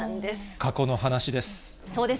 過去の話です。